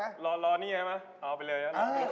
รอนี่ใช่ไหมเอาไปเลย